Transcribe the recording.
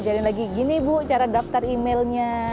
biarin lagi gini bu cara daftar emailnya